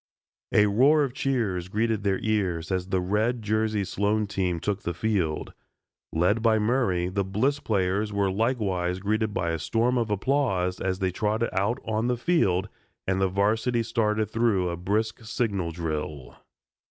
A roar of cheers greeted their ears as the red jerseyed Sloan team took the field. Led by Murray the Bliss players were likewise greeted by a storm of applause as they trotted out on the field and the varsity started through a brisk signal drill.